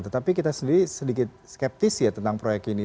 tetapi kita sendiri sedikit skeptis ya tentang proyek ini